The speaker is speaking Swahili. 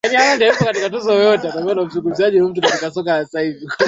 Lugha mame hii ni lugha isiyokua na ambayo hubaki kati umbo lake la awali.